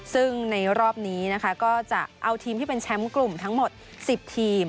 ซึ่งในรอบนี้นะคะก็จะเอาทีมที่เป็นแชมป์กลุ่มทั้งหมด๑๐ทีม